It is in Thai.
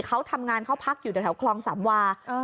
เขาทำงานเขาพักอยู่แถวคลองสามวา